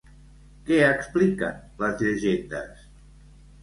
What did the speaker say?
Què expliquen les llegendes?